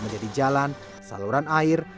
menjadi jalan saluran air